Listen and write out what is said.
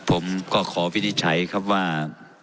ผมก็ขอวินิจฉัยครับว่า